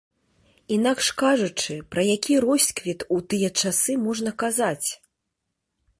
Інакш кажучы, пра які росквіт у тыя часы можна казаць?